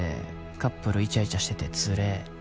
「カップルイチャイチャしててつれえ」